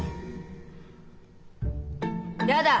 やだ！